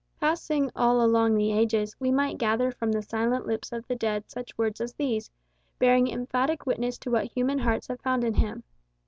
Passing all along the ages, we might gather from the silent lips of the dead such words as these, bearing emphatic witness to what human hearts have found in him.